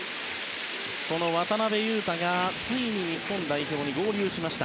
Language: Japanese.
渡邊雄太がついに日本代表に合流しました。